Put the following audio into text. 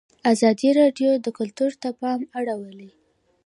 ازادي راډیو د کلتور ته پام اړولی.